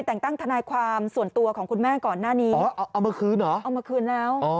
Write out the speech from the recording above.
แต่งตั้งทันายความส่วนตัวของคุณแม่ก่อนหน้านี้มาคืนจริงแล้ว